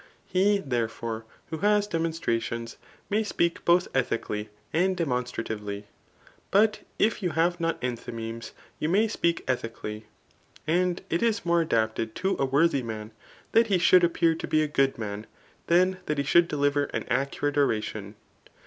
He, therefore, who has demoa* ^tcations, may speak )x)th ethically and demionstrativelf . But if you hive not enthymemes, you may speak «dii cally. A^d it is more adapted to a worthy man that he should appear to be a good man, than that he should ddiver an accurate oradon.